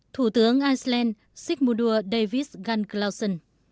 thủ tướng iceland sigmundur davies gunn clausen